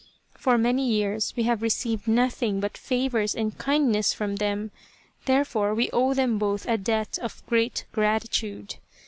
For many years we have received nothing but favours and kindness from them, therefore we owe them both a debt of great gratitude.